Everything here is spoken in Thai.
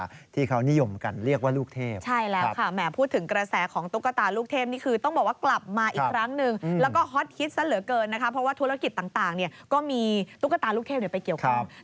สถาบันเสริมความงามโอ้โฮเยอะไปหมดเลย